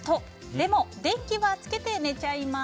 でも電気はつけて寝ちゃいます。